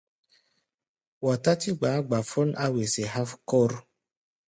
Wa tátí gba̧á̧ gbafón á wesé há̧ kór.